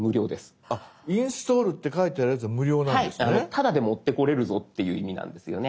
タダで持ってこれるぞっていう意味なんですよね。